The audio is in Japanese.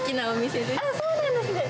そうなんですね。